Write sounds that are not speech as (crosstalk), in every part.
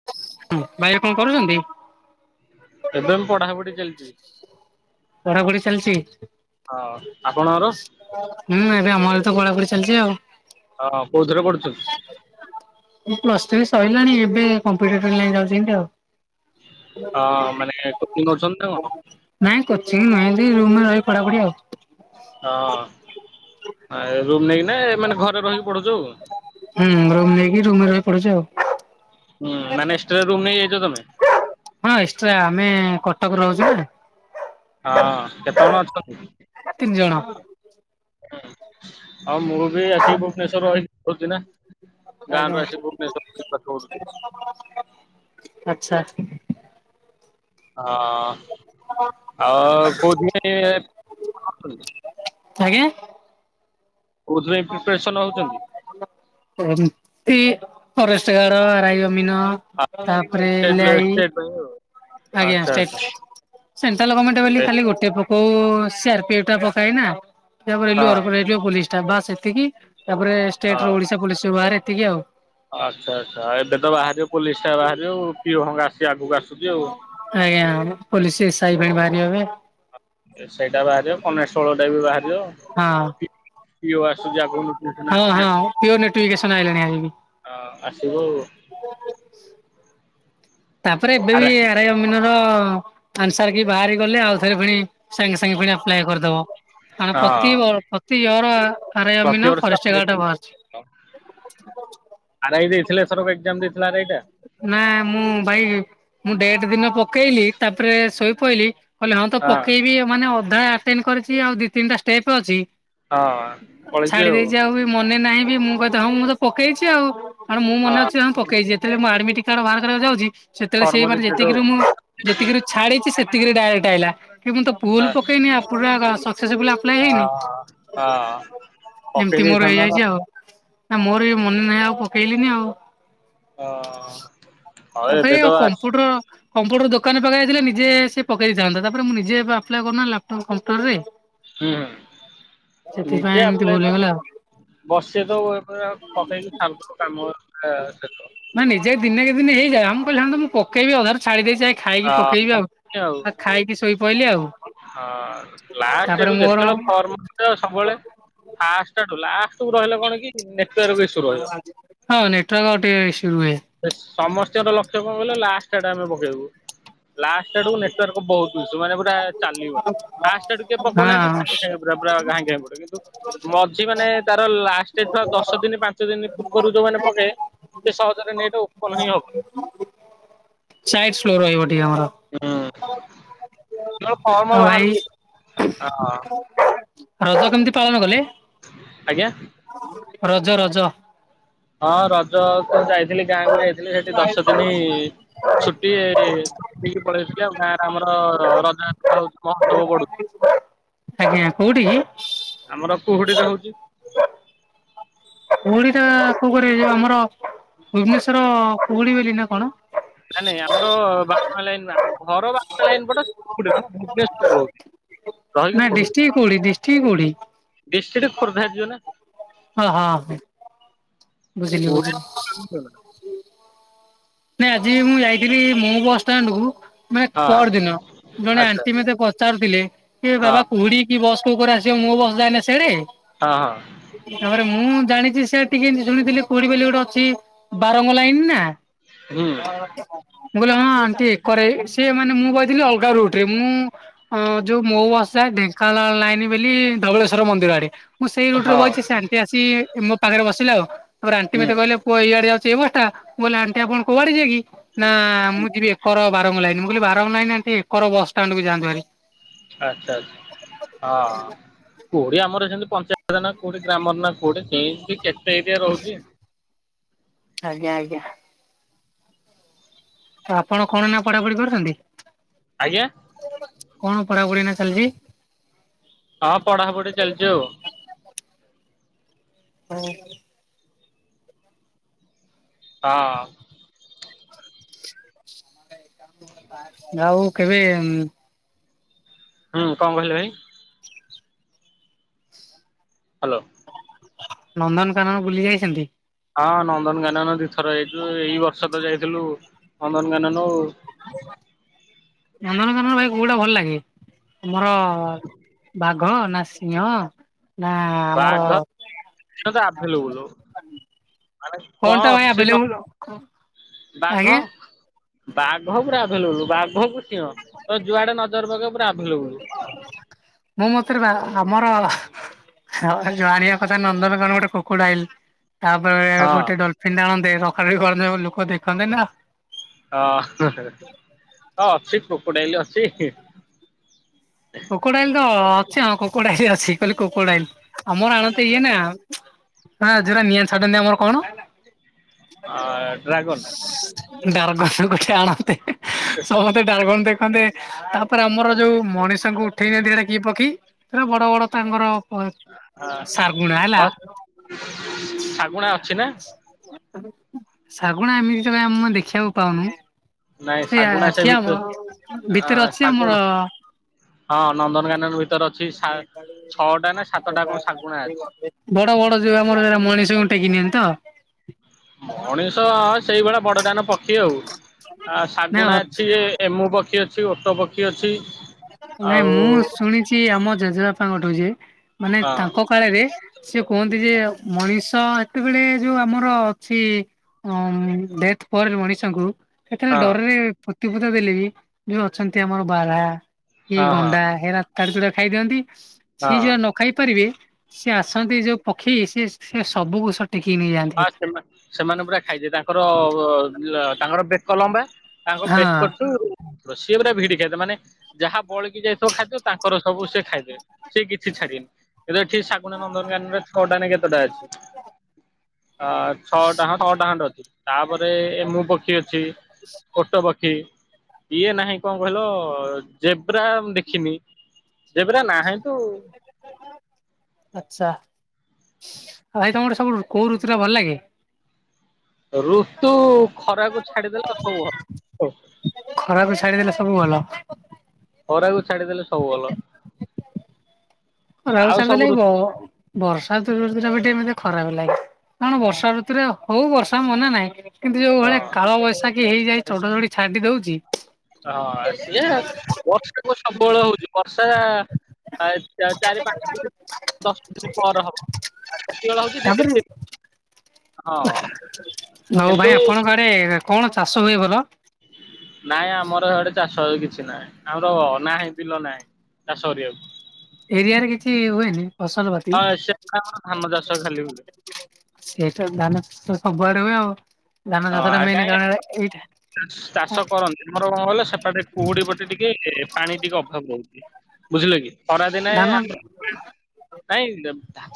(inaudible) ଏବେ ମୋ ପଢାପଢି ଚାଲିଛି। ପଢାପଢି ଚାଲିଛି। ହଁ ଆପଣଙ୍କର? ହୁଁ ଏବେ ଆମର ବି ତ ପଢ଼ାପଢ଼ି ଚାଲିଛି ଆଉ ହଁ ହଁ କୋଉଥିରେ ପଡୁଛୁ? ପ୍ଲସ ଥ୍ରୀ ସରିଲାଣି ଏବେ କମ୍ପିଟେଟିଭ ଲାଗି ଯାଉଛି ଏନ୍ତେ ଆଉ ଅ ମାନେ କୋଚିଙ୍ଗ ନଉଛନ୍ତି ନା କଣ? ନାଇଁ କୋଚିଙ୍ଗ ନୁହେଁ ରୁମରେ ରହି ପଢାପଢି ଆଉ ଅ ରୁମ୍ ନେଇକିନା ମାନେ ଘରେ ରହିକି ପଢୁଛୁ ଆଉ ହୁଁ ରୁମ ନେଇକି ରୁମରେ ରହି ପଢ଼ୁଛି ଆଉ ହୁଁ ମାନେ ଏକ୍ସଟ୍ରା ରୁମ୍ ନେଇଯାଇଛ ତମେ? ହଁ ଏକ୍ସଟ୍ରା ଆମେ କଟକରେ ରହୁଛୁ ନା। ହଁ କେତେ ଜଣ ଅଛନ୍ତି? ତିନଜଣ। ହଁ ଆଉ ମୁଁ ବି ଆସି ଭୁବନେଶ୍ୱରରେ ରହିଛି ନା। ଆଜ୍ଞା ଗାଁରୁ ଆସିଛି ଭୁବନେଶ୍ୱର (inaudible) ଆଚ୍ଛା। ହଁ ଆଉ କୋଉଦି (inaudible) ଆଜ୍ଞା। କୋଉଥିପାଇଁ ପ୍ରିପାରେସନ ହଉଛନ୍ତି (inaudible) ଏ ଫରେଷ୍ଟ ଗାର୍ଡ ରାଇ ଅମିନ ତାପରେ ଷ୍ଟେଟ୍ ଲାଇ (unintelligible) ଆଜ୍ଞା ଆଚ୍ଛା ଆଚ୍ଛା ସେଣ୍ଟ୍ରାଲ ଗମେଣ୍ଟ ବୋଲି ଏ- ଖାଲି ଗୋଟେ ପ୍ର ଓ ସିଆର ପି ଟା ପକଏନା ସେ ଆମ ହଁ ରେଲୱେର ପୋଲିସଟା ବାସ୍ ଏତିକି ତାପରେ ହଁ ଷ୍ଟେଟର ଓଡିଶା ପୋଲିସ ବାହାରେ ଏତିକି ଆଉ ଆଚ୍ଛା ଆଚ୍ଛା ଏବେ ତ ବାହାରିବ ପୋଲିସଟା ବାହାରିବ ପିଓ ଭଙ୍ଗା ଆସିବ ଆଗକୁ ଆସ ଆଜ୍ଞା ପୋଲିସ ଏ ସାଇ ପାଇଁ ବାହାରିିବ ଏବେ। ଏ ସାଇ ଟା ବାହାରିବ କନଷ୍ଟେବଳଟା ବି ବାହାରିବ। ହଁ। ପିଓ ଆସୁଚି ଆଗକୁ ହଁ ହଁ ନୋଟିସ ପିଓର ନୋଟିଫିକେସନ ଆଇଲାଣି ଆଜି ବି। (inaudible) ଆ ଆସିବ ଆଉ। ତାପରେ ଏବେ ବି ଆରେ ଆରାଇ ଅମିନର ଆନ୍ସର କି ବାହାରିଗଲେ ଆଉ ଥରେ ପୁଣି ସାଙ୍ଗେ ସାଙ୍ଗେ ପୁଣି ଆପ୍ଲାଏ କରିଦବ କାରଣ ପ୍ରତି ହଁ ପ୍ରତି ଇଅର ଆରାଇ ଅମିନ ଫରେଷ୍ଟଗାର୍ଡରେ ବାହାରୁଛି। ଅ ଆରାଇ ଦେଇଥିଲେ ଏଥରକ ଏକ୍ସାମ ଦେଇଥିଲା ଆରାଇ ଟା ନା ମୁଁ ଭାଇ ମୁଁ ଡେଟ୍ ଦିନ ପକେଇଲି ତାପରେ ଶୋଇ ପଇଲି କହିଲି ହଁ ତ ପକେଇବି ମାନେ ଅଧା ଆପିଲ୍ କରିଛି ଆଉ ଦି ତିନିଟା ଷ୍ଟେପ୍ ଅଛି ହଁ ପଳେଇଛି ଛାଡି ଦେଇଛି ଆଉ ବି ମନେ ନାହିଁ ବି ମୁଁ କଦ ହଁ ମୁଁ ତ ପକେଇଛି ଆଉ। ଆଣ ମୁଁ ମନେ ଅଛି ହଁ ପକେଇଛି ଯେତବେଳେ ମୁଁ ଆଡମିଟ କାର୍ଡ ବାହାର କରିବାକୁ ଯାଉଛି ସେତେବେଳେ ଫର୍ମ ସେଇ ମାନେ ରିଜେକ୍ଟ ଆଉ ଯେତିକିରୁ ମୁଁ ଯେତିକିରୁ ଛାଡିଛି ସେତିକି ଡାଇରେକ୍ଟ୍ ଆଇଲା କି ମୁଁ ତ ପୁଲ ହଁ ପକେଇନି ପୁରା ସକ୍ସେସଫୁଲି ଆପ୍ଲାଏ ହଁ ହେଇନି। ହଁ ପକେଇ ଏମିତି ମୋର ଦେଇଥାନ୍ତ ନା ହେଇଯାଇଛି ଆଉ ମୋର ଏ ମନେ ନାହିଁ ଆଉ ପକେଇଲିନି ଆଉ। ହ ଅ ତା ପାଇଁ ଆଉ କମ୍ପୁଟର କମ୍ପୁଟର ଦୋକାନରେ ପାଖରେ ନିଜେ ସେ ପକେଇ ଦେଇଥାନ୍ତା ତାପରେ ମୁଁ ନିଜେ ଆପ୍ଲାଏ କଲିନା ଲାପଟପ କମ୍ପୁଟରରେ ହୁଁ ନିଜେ ଏମିତି ଭୁଲ ଆପ୍ଲାଏ ହେଇଗଲା ଆଉ। ବସେ ତ ପକେଇକି (unintelligible) ନା ନିଜେ ଦିନେ ଦିନେ ହେଇଯାଏ ମୁଁ କହିଲି ତ ମୁଁ ପକେଇବି ଅଧାରେ ଛାଡି ଦେଇ ଯାଏ ଅ ଖାଇକି ପକେଇବି ଆଉ। ଖାଇକି ଶୋଇପଡିଇଲି ଆଉ ହଁ ଲାଷ୍ଟ ତାପରେ ଆଡୁ ମୋର ଯେତେବେଳେ ଫର୍ମ ସବୁବେଳେ ଫାଷ୍ଟ ଲାଷ୍ଟ କୁ ରହିଲେ କଣ କି ନେଟୱର୍କ ଇସୁ। ରହିବ। ହଁ ନେଟୱାର୍କ ଟିକେ ଇସୁ ହୁଏ। ସମସ୍ତଙ୍କର ଲକ୍ଷ୍ୟ କଣ କହିଲ ଲାଷ୍ଟ ଆଡେ ଆମେ ପକେଇବୁ। ଲାଷ୍ଟ ଆଡ଼କୁ ନେଟୱାର୍କ ବହୁତ ଇସୁ ମାନେ ପୁରା ଚାଲିବନି ଫାଷ୍ଟ କିଏ ହଁ ପକାଉନାହାନ୍ତି ସାଙ୍ଗେ ସାଙ୍ଗେ ପୁରା ପୁରା ଘାାଇଁ ଘାଇଁ ପଡିବ କିନ୍ତୁ ମଝି ମାନେ ତାର ଲାଷ୍ଟ ଟେ ତ ଦଶ ଦିନ ପାଞ୍ଚ ଦିନ ଉପରୁ ଯୋଉମାନେ ପକେ ସେ ସହଜରେ ନେଟ୍ ଓପନ ହିଁ ହଉନି। ସାଇଟ ସ୍ଲୋ ରହିବ ଟିକେ ଆମର। ହୁଁ ଫର୍ମ ଆଉ ଭାଇ ବାହାର ହଁ ରଜ କେମିତି ପାଳନ କଲେ? ଆଜ୍ଞା। ରଜ ରଜ। ହଁ ରଜ ତ ଯାଇଥିଲି ଗାଁକୁ ଯାଇଥିଲି ସେଠି ଦଶ ଦିନି ଛୁଟି ଛୁଟି ଦେଇକି ପଳେଇଥିଲି ଆଉ ଗାଁରେ ଆମର ରଜ ରା ହଉଛି ମହୋତ୍ସବ ପଡୁଛି। ଆଜ୍ଞା କୋଉଠିକି? ଆମର କୁହୁଡିରେ ହଉଚି। କୁହୁଡି ଟା କୋଉ କରେ ଯୋଉ ଆମର ଭୁବନେଶ୍ଵର କୁହୁଡି ବୋଲି ନା କଣ ନାଇଁ ନାଇଁ ଆମର ବାରା ଲାଇନ ଘର ବାରା ଲାଇନ ପଟ (inaudible) ମୁଁ ଭୁବନେଶ୍ୱର ରହୁଛି। ରହିକି ନାଇଁ ଡିଷ୍ଟିକି କୋଉଠି ଡିଷ୍ଟିକି କୋଉଠି? ଡିଷ୍ଟିକି ଖୋର୍ଦ୍ଧା ରେ ଯିବ ନା। ହଁ ହଁ ବୁଝିଲି ହଁ ବୁଝିଲି। (inaudible) ନାଇଁ ଆଜି ମୁଁ ଯାଇଥିଲି ମୋ ବସଷ୍ଟାଣ୍ଡ କୁ ମାନେ ପର ଦିନ ଜଣେ ଆଚ୍ଛା ଆଣ୍ଟି ମତେ ପଚାରୁଥିଲେ କି ବାବା କୁହୁଡି କି ବସ କୋଉ ପଟେ ଆସିବ ମୋ ବସ ଯାଏନା ସିଆଡେ ହଁ। ତାପରେ ମୁଁ ଜାଣିଛି ସେ ଟିକେ ଏମିତି ଶୁଣିଥିଲି କୁହୁଡ଼ି ବୋଲି ଗୋଟେ ଅଛି ବାରଙ୍ଗ ଲାଇନ ନା ହୁଁ। ମୁଁ କହିଲି ହଁ ଆଣ୍ଟି କରେ ସିଏ ମାନେ ମୁଁ କହିଥିଲି ଅଲଗା ରୁଟରେ ମୁଁ ହଁ ଯୋଉ ମୋ ବସ ଯାଏ ଢେଙ୍କାନଳ ଲାଇନ ବୋଲି ଧବଳେଶ୍ବର ମନ୍ଦିର ଆଡେ। ମୁଁ ସେଇ ହୁଁ ରୁଟରେ ହଁ ବଇଛି ସେ ଆଣ୍ଟି ଆସି ମୋ ପାଖରେ ବସିଲେ ଆଉ ତାପରେ ଆଣ୍ଟି ହୁଁ ମତେ କହିଲେ ପୁଅ ଏଇଆଡେ ଯାଉଛି ଏଇ ବସ୍ ଟା ବେ ଆଣ୍ଟି ଆପଣ କୁଆଡେ ଯିବେକି ନା ମୁଁ ଯିବି ଏକର ବାରଙ୍ଗ ଲାଇନି ବୋଲି ବାରଙ୍ଗ ଲାଇି ଏ ଏକର ବସ୍ ଷ୍ଟାଣ୍ଡ କୁ ଯାନ୍ତୁଭରି। ଆଛା ଆଛା ହଁ କୋଉଠି ଆମର ଏମତି ପଞ୍ଚାୟତରେ ନା କୋଉଠି ଗ୍ରାମର ନା କୋଉଠି ଯ ବି କେତେ ଏରିଆ ରହୁଛି ଆଜ୍ଞା ଆଜ୍ଞା। ଆପଣ କଣ ନା ପଢାପଢି କରୁଛନ୍ତି? ଆଜ୍ଞା। କଣ ପଢା ପଢି ଏଇନା ଚାଲିଛି। ହଁ ପଢାପଢି ଚାଲିଚି ଆଉ। ହଁ। ହଁ। ଆଉ କେବେ? ହୁଁ କଣ କହିଲ ଭାଇ? ହ୍ୟାଲୋ। ନନ୍ଦନକାନନ ବୁଲି ଯାଇଛନ୍ତି। ହଁ ନନ୍ଦନକାନନ ଦୁଇଥର ଯାଇଛୁ ଏଇ ବର୍ଷ ତ ଯାଇଥିଲୁ ନନ୍ଦନକାନନ ଆଉ। ହଉ ନନ୍ଦନକାନନ ଭାଇ କଉଟା ଭଲ ଲାଗେ? ଆମର ବାଘ ନା ସିଂହ ନା ଆମର ସ ତ ଆଭେଲେବୁଲ। କଣ ଟା ଭାଇ ଅଛି ନା ଆଭେଲେବୁଲ ବାଘ। ଆଜ୍ଞା ବାଘ ପୁରା ଆଭେଲେ ବୁଲୁ ବାଘକୁ ସିହଁ ତ ଯୁଆଡେ ନଜର ପକେଇବା ପୁରା ଆଭେଲେବୁଲୁ। ମୋ ମତରେ ଆମର ହଁ ଜାଣିବା କଥା ନନ୍ଦନ ବି କଣ ଗୋଟେ କ୍ରୋକୋଡାଇଲ। ତାପରେ ହଁ ଗୋଟେ ଡଲଫିନ ଆଣନ୍ତେ ସକାଳ ବି କରନ୍ତି ଲୋକ ଦେଖନ୍ତେ ନା। ଅହ ଅଛି କ୍ରୋକଡାଇଲି ଅଛି। କ୍ରୋକଡାଇଲ ତ ଅଛି ହଁ କୋକଡାଇଲ୍ ଅଛି କହିଲେ କ୍ରୋକଡାଇଲ୍ ଆମର ଆଣନ୍ତି ଇଏ ନା। ହଁ ଯୋଉରା ନିଆ ଛଡ ଆମର କଣ? ଆ ଡ୍ରାଗନ ଡାରଗନ ଗୋଟେ ଆଣନ୍ତେ ସମସ୍ତେ ଡାରଗନ ଦେଖନ୍ତେ ତାପ ତା ଆମର ଯୋଉ ମଣିଷଙ୍କୁ ଉଠେଇନାହାନ୍ତିଇଟା କିଏ ପକ୍ଷୀ ସେ ଯୋଉ ବଡ ବଡ ତାଙ୍କର ଶାଗୁଣା ହେଲା ହଁ ହ ଶାଗୁଣା ଅଛି ନା। ଶାଗୁଣା ଏମିତି ତ ଆମ ଦେଖିବାକୁ ପାଉନୁ। ନାଇଁ ଶାଗୁଣା ସେ ଏଠି ଆମ ଭିତରେ ଅ ଭିତରେ ଅଛି ଆମର ଶାଗୁଣ ହଁ ନନ୍ଦନକାନନ ଭିତରେ ଅଛି ଛଅଟା ନା ସାତଟା କଣ ଶାଗୁଣା ଅଛି। ବଡ ବଡ ଯୋଉ ଆମର ସେଟା ମଣିଷଙ୍କୁ ଟେକି ନିଅନ୍ତି ତ। ମଣିଷ ସେଇଭଳିଆ ବଡ ଟାନ ପକ୍ଷୀ ଆଉ ଆ ଶାଗୁଣା ଅଛି। ଏମୁ ପକ୍ଷୀ ଅଛି ଓଟୋ ପକ୍ଷୀ ଅଛି। ନାଇଁ ଆଉ ମୁଁ ଶୁଣିଛି ଆମ ଜେଜେବାପାଙ୍କଠୁ ଯେ ମାନେ ହଁ ତାଙ୍କ କାଳରେ ସେ କୁହନ୍ତି ଯେ ମଣିଷ ସେତେବେଳେ ଯୋଉ ଆମର ଅଛି। ହଁ ଡେଥ ପରେ ମଣିଷଙ୍କୁ ସେତେବେଳେ ହଁ ଡରରେ ପ୍ରତିପଦ ଦେଲେ ବି ଯଉ ଅଛନ୍ତି ଆମର ବାରା। କି ହଁ ହଁ ଗଣ୍ଡା ହେରା ତାଡିତୁଡାକି ଖାଇଦିଅନ୍ତି ସିଏ ହଁ। ଯୋ ଖାଇପାରିବେ ସିଏ ଆସନ୍ତି ଯୋଉ ପକ୍ଷୀ ସେ ସେ ସବୁକୁ ଟିକ କି ନେଇ ଯା ହଁ ସେ ସେମାନେ ପୁରା ଖାଇଦି ତାଙ୍କର ତାଙ୍କର ବେକ ଲମ୍ବା। ତାଙ୍କ ବେକ୍ କରୁଛୁ ରୋଷିଏ ପୁରା ଭିଡି ଖାଇଥା ମାନେ ଯାହା ବଳିକି ଯାଇଥିବ ଖାଦ୍ୟ ତାଙ୍କର ସବୁ ସେ ଖାଇଦେବେ। ସେ କିଛି ଛାଡିନି ଏ ଏଠି ଶାଗୁନା ନନ୍ଦନ କାନନ ରେ ଛଅଟାନେ କେତେଟା ଅଛି। ଅ ଛଅଟା ହଁ ଛଅଟା ଖଣ୍ଡେ ଅଛି। ତାପରେ ରେ ଏମୁ ପକ୍ଷୀ ଅଛି ଓଟୋ ପକ୍ଷୀ। ଇଏ ନାହିଁ। କଣ କହିଲ ଜେବ୍ରା ମୁଁ ଦେଖିନି। ଜେବ୍ରା ନାହିଁ ତୁ ଆଛା, ଆ ଭାଇ ତମ ଗୋଟେ ସବୁ କୋଉ ଋତୁରା ଭଲ ଲାଗେ। ଋତୁ ଖରାକୁ ଛାଡିଦେଲା ଆଉ ସବୁ ଭଲ। ଖରା କୁ ଛାଡିଦେଲେ ସବୁ ଭଲ। ଖରାକୁ ଛାଡ଼ିଦେଲେ ସବୁ ଭଲ ରହୁ ଆଉ ସାର ସବୁ ଦେଲେ ଋ ଇବ (unintelligible) ବର୍ଷାୁ ଋତୁ ଟା ବି ଟିକେ ମାନେ ଖରାପ ଲାଗେ କାରଣ -ବର୍ଷା ଋତୁରେ ହଉ ବର୍ଷା ମନା ନାହିଁ କିନ୍ତୁ ଯୋଉ ଭଳିଆ ହଁ। କାଳ ବୈଶାଖୀ ହେଇଯାଇ ଚଡ଼ଚଡ଼ି ଛାଡି ଦଉଛି ହଁ ସିଏ ବର୍ଷା କୋଉ ସବୁବେଳେ ହଉଛି? ବର୍ଷା ଚାରି, ପାଞ୍ଚ ଦିନ, ଦଶ ଦିନ ପରେ ହବ। ଆଉ ଯେତେବେଳେ ହଉଛି ଦି ତାପରେ ତିନ ତିନ ଦିନ, ହଁ କିନ୍ତୁ ରେ କଣ ଚାଷ ହୁଏ ଭଲ? ନାଇଁ ଆମର ଆଡେ ଚାଷ କିଛି ନାହିଁ, ଆମର ଅ ନାହିଁ ବିଲ ନାହିଁ। ଚାଷ କରିବାକୁ ଏରିଆରେ କିଛି ହୁଏନି ଫସଲ ବାର ହଁ ସେ ପରା ଆମର ଧାନ ଚାଷ ଖାଲି ହୁଏ। ସେଟା ଧାନ ଚାଷ ତ ସବୁଆଡେ ହୁଏ ଆଉ ଧାନ ହଁ ଚାଷ ଟା ଆ ମେନ୍ କାରଣ ଏଇଟା କାଁଇ ଚାଷ କରନ୍ତି ଆମର କଣ ଗଲେ ସେପଟେ କୁହୁଡି ପଟେ ଟିକେ ପାଣି ଟିକେ ଅଭାବ ରହୁଛି ବୁଝିଲ କି? ଖରାଦିନେ ଧାନ ଆମ ନାଇଁ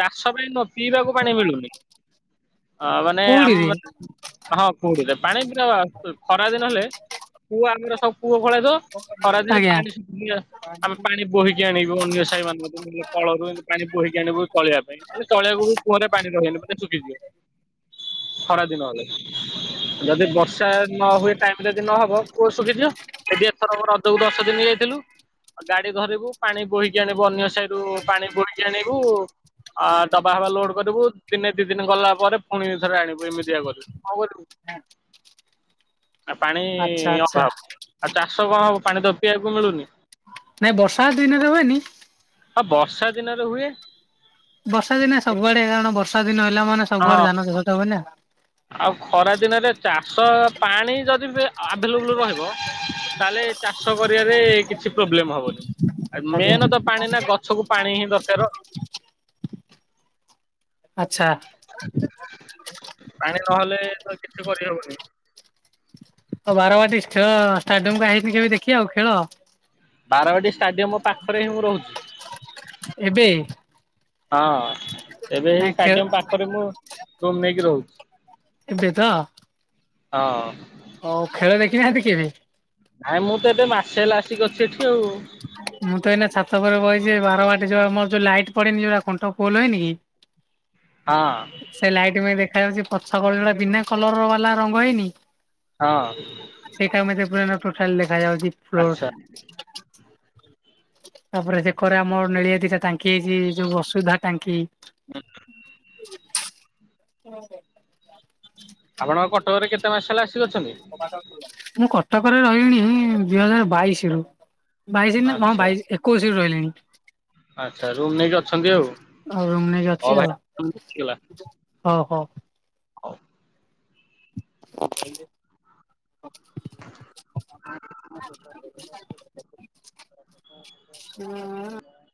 ଚାଷ ପାଇଁ କଣ, ପିଇବାକୁ ପାଣି ମିଳୁନି। ମାନେ କୋଉଠିରେ ଆମ ହଁ କୁଉଡିରେ ପାଣି ପୁରା ଖରା ଦିନ ହେଲେ ପୁଅ ଆମର ସବୁ କୂଅ ଖୋଳେଇ ଦିବ (unintelligible) ଖରାଦିନ ଆଜ୍ଞା ପାଣି ଶୁଖିଯିବା ଆମେ ପାଣି ବୋହିକି ଆଣିବୁ ଅନ୍ୟ ସାହି ମାନଙ୍କରୁ, ନହେଲେ କଳରୁ ପାଣି ବୋହିକି ଆଣିବୁ ତଳିବା ପାଇଁ ମାନେ ଚଳିଆକୁ ବି କୂଅ ରେ ପାଣି ରହେନି, ମାନେ ଶୁଖିଯିବ ଖରା ଦିନ ହେଲେ ବର୍ଷା ଯଦି ବର୍ଷା ନ ହୁଏ, ଟାଇମରେ ଯଦି ନହବ କୂଅ ଶୁଖିଯିବ। ହେଇଟି ଏଥର ମ ରଜକୁ ଦଶ ଦିନ ଯାଇଥିଲୁ। ଆଉ ଗାଡି ଧରିବୁ, ପାଣି ବୋହିକି ଆଣିବୁ, ଅନ୍ୟ ସାଇରୁୁ ପାଣି ବୋହିକି ଆଣିବୁ। ଆ ଡବା ଫବା ଲୋଡ କରିବୁ, ଦିନେ ଦି ଦିନ ଗଲା ପରେ ପୁଣିଥରେ ଆଣିବୁ, ଏମିତିଆ କରିବୁ, କଣ କରିବୁ ହଁ। ଆ ପାଣି ଅଭାବ, ଆଉ ଚାଷ କଣ ହବ? ପାଣି ତ ପିଇବାକୁ ମିଳୁନି। ନାଇଁ ବର୍ଷା ଦିନରେ ହୁଏନି ଆଉ ବର୍ଷା ଦିନରେ ହୁଏ। ବର୍ଷା ଦିନେ ସବୁଆଡେ କାରଣ, ବର୍ଷା ଦିନ ହେଲା ମାନେ ହଁ ସବୁଆଡେ ଧାନ ଚାଷଟା ହୁଏ ନା। ଆଉ ଖରା ଦିନରେ ଚାଷ ପାଣି ଯଦି ଆଭେଲେବୁଲ ରହିବ ତାହେଲେ ଚାଷ କରିବାରେ କିଛି ପ୍ରୋବ୍ଲେମ ହବନି। ଆଉ ଆଜ୍ଞା ମେନ୍ ତ ପାଣି ନା ଗଛକୁ ପାଣି ହିଁ ଦରକାର। ଆଛା। ପାଣି ନହେଲେ ତ କିଛି କରିହବନି। ଆଉ ବାରବାଟୀ ଖେଳ ଷ୍ଟାଡିୟମକୁ ଆଇନି କେବେ ଦେଖି ଆଉ ଖେଳ ଅ ବାରବାଟୀ ଷ୍ଟାଡିୟମ ପାଖରେ ହିଁ ମୁଁ ରହୁଛି। ଏବେ ହଁ ଏବେ ଏଇ ନାଇଁ ଖେ ଷ୍ଟାଡିୟମ ପାଖରେ ମୁଁ ରୁମ ନେଇକି ରହୁଛି। ଏବେ ତ ହଁ ଅଁ ହଉ ଖେଳ ଦେଖିନାହାନ୍ତି କେବେ? ଭାଇଁ ମୁଁ ତ ଏଠେ ମାସେ ହେଲା ଆସିକି ଅଛି ଏଠି ଆଉ ମୁଁ ତ ଏଇନା ଛାତ ଉପରେ ବଇଚି, ବାର ବାଟି ଯିବ ମୋର ଯୋଉ ଲାଇଟ ପଡେନି, ଯୋଉଟା ଖୁଣ୍ଟ ଫୋଲ ହେଇନି କି? (inaudible) ହଁ। ସେ ଲାଇଟ୍ ପାଇଁ ଦେଖାଯାଉଛି ପଛପଟ ଟା ବିନା କଲର୍ ବାଲା ରଙ୍ଗ ହେଇନି। ହଁ। ସେଇଟା ମୋତେ ପୁରା ନା ଟୋଟାଲ୍ ଦେଖାଯାଉଛି। ଆଚ୍ଛା। ତାପରେ ସେକରେ ଆମର ନେଳିଆ ଦିସା ତାଇଁ। କିଏ ଯେ ଯୋଉ ବସୁଧା ଟାଙ୍କି। ଆପଣ କଟକରେ କେତେ ମାସ ହେଲା ଆସିିକି ଅଛନ୍ତି? ମୁଁ କଟକରେ ରହିଲିଣି ଦୁଇ ହଜାର ବାଇଶି ରୁ। ବାଇଶି ନା ହଁ ଆଚ୍ଛା ବାଇଶି ଏ ଏକୋଇଶି ରୁ ରହିଲିଣି। ଆଚ୍ଛା ରୁମ୍ ନେଇକି ଅଛନ୍ତି ଆଉ ଆଉ ରୁମ୍ ନେଇକି ହଉ ଅଛି ଭାଇ ହେଇଗଲା ଆଉ। ହୋ ହୋ। ହଉ। (inaudible) ହଁ।